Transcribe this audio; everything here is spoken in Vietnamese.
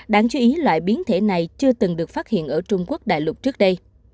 đáng chú ý loại biến thể này chưa từng được phát hiện ở trung quốc đại lục trước đây